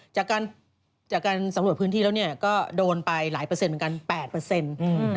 จากการจากการสำรวจพื้นที่แล้วก็โดนไปหลายเปอร์เซ็นต์เหมือนกัน๘เปอร์เซ็นต์